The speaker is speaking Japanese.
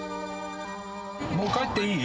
もう帰っていい？